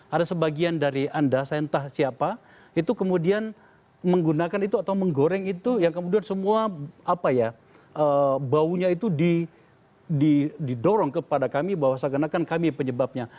ada sebagian dari anda saya entah siapa itu kemudian menggunakan itu atau menggoreng itu yang kemudian semua baunya itu didorong kepada kami bahwa seakan akan kami penyebabnya